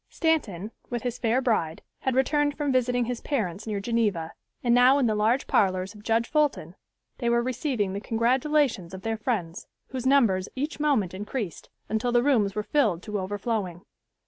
Stanton, with his fair bride, had returned from visiting his parents near Geneva, and now in the large parlors of Judge Fulton, they were receiving the congratulations of their friends, whose numbers each moment increased, until the rooms were filled to overflowing.